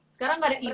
sekarang gak ada iban